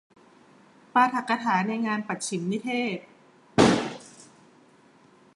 ปาฐกถาในงานปัจฉิมนิเทศ